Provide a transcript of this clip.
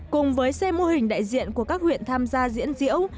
cùng với xe mô hình đại diện của các huyện tham gia diễn diễu